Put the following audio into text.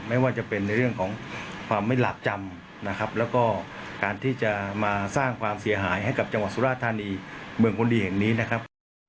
ไม่ว่าจะเป็นในเรื่องของความไม่หลากจำนะครับแล้วก็การที่จะมาสร้างความเสียหายให้กับจังหวัดสุราธานีเมืองคนดีแห่งนี้นะครับ